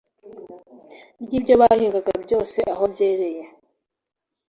ry’ibyo bahingaga byose aho byereye.